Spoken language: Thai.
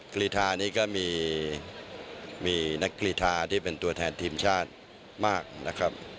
กรีธานี้ก็มีนักกีฬาที่เป็นตัวแทนทีมชาติมากนะครับ